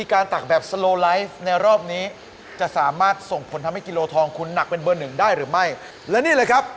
การตักและประเมินความเร็วในการตักให้ดีแล้วกันล่ะครับ